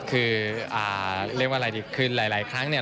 คือเรียกว่าหลายครั้งเนี่ย